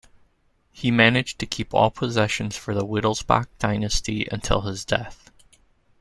He managed to keep all possessions for the Wittelsbach dynasty until his death.